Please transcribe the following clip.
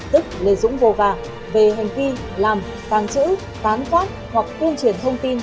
tức lê dũng vô vàng về hành vi làm tàng trữ tán pháp hoặc tuyên truyền thông tin